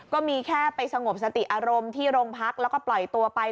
ก็มีแค่ไปสงบสติอารมณ์ที่โรงพักแล้วก็ปล่อยตัวไป